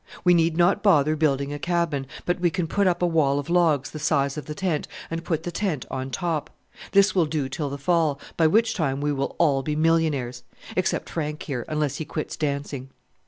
We need not bother building a cabin, but we can put up a wall of logs the size of the tent and put the tent on top. This will do till the fall, by which time we will all be millionaires except Frank here, unless he quits dancing!